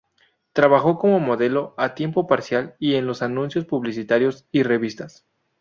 Trabajó como modelo a tiempo parcial y en los anuncios publicitarios y revistas.